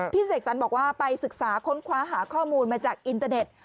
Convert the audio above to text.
เสกสรรบอกว่าไปศึกษาค้นคว้าหาข้อมูลมาจากอินเตอร์เน็ต